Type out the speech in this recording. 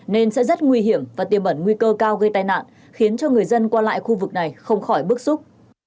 nên sẽ rất nguy hiểm và tiềm ẩn nguy cơ cao gây tai nạn khiến cho người dân qua lại khu vực này không khỏi bức xúc